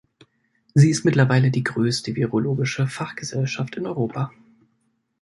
Sie ist mittlerweile die größte virologische Fachgesellschaft in Europa.